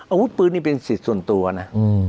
อาวุธปืนนี่เป็นสิทธิ์ส่วนตัวนะ